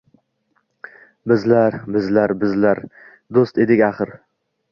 Bizlar…bizlar..bizlar do’st edik axir